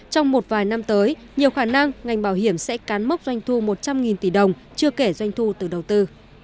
trong một vài năm tới nhiều khả năng ngành bảo hiểm sẽ cán mốc doanh thu một trăm linh tỷ đồng chưa kể doanh thu từ đầu tư